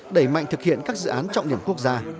đẩy mạnh thực hiện các dự án trọng điểm quốc gia